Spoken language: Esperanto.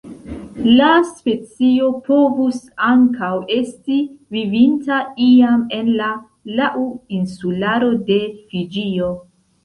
La specio povus ankaŭ esti vivinta iam en la Lau Insularo de Fiĝio.